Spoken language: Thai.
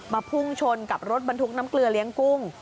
พุ่งชนกับรถบรรทุกน้ำเกลือเลี้ยงกุ้ง